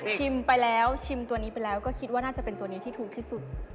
ไปแล้วชิมตัวนี้ไปแล้วก็คิดว่าน่าจะเป็นตัวนี้ที่ถูกที่สุด